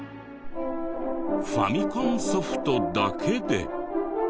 ファミコンソフトだけで。